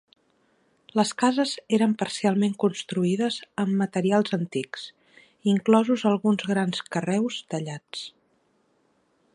Les cases eren parcialment construïdes amb materials antics, inclosos alguns grans carreus tallats.